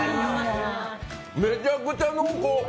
めちゃくちゃ濃厚！